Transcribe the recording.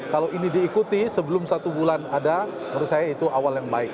kalau ini diikuti sebelum satu bulan ada menurut saya itu awal yang baik